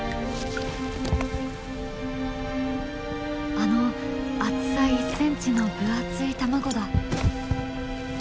あの厚さ１ｃｍの分厚い卵だ。